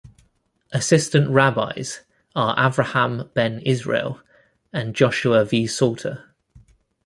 Assistant rabbis are Avraham Ben Israel and Joshua V. Salter.